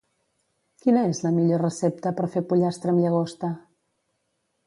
Quina és la millor recepta per fer pollastre amb llagosta?